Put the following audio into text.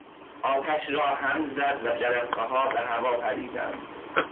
آتش را هم زد و جرقهها به هوا پریدند.